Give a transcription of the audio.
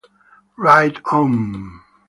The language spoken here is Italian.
Ride On